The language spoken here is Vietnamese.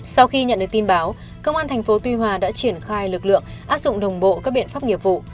sau khi nhận được tin báo công an tp tuy hòa đã triển khai lực lượng áp dụng đồng bộ các biện pháp nghiệp vụ